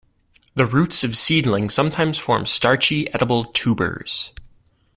The roots of seedlings sometimes form starchy, edible tubers.